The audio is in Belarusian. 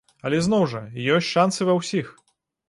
Але зноў жа, ёсць шанцы ва ўсіх.